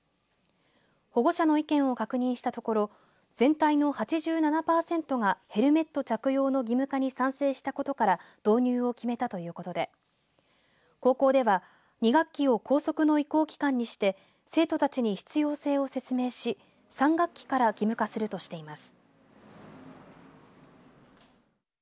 保護者の意見を確認したところ全体の８７パーセントがヘルメット着用の義務化に賛成したことから導入を決めたということで高校では、２学期を校則の移行期間にして生徒たちに必要性を説明し３学期から義務化するとしています。